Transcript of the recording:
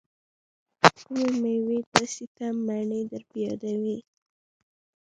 کومې میوې تاسې ته منی در په یادوي؟